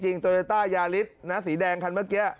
ตรีโอเตอร์ต้ายาริสต์นะสีแดงคันเมื่อกี้